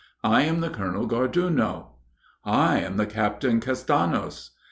'I am the Colonel Garduno.'" "'I am the Captain Castanos.'"